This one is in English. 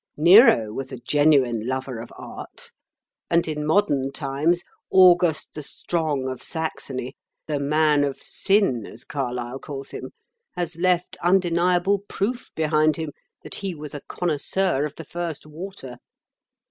Nero was a genuine lover of Art; and in modern times August the Strong, of Saxony, 'the man of sin,' as Carlyle calls him, has left undeniable proof behind him that he was a connoisseur of the first water.